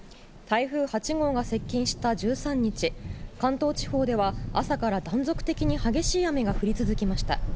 台風８号が接近した１３日、関東地方では、朝から断続的に激しい雨が降り続きました。